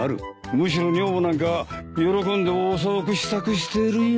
むしろ女房なんかは喜んで遅く支度してるよ。